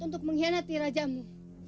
untuk mengkhianati rajamu